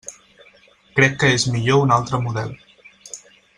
Crec que és millor un altre model.